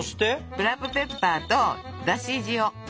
ブラックペッパーとだし塩。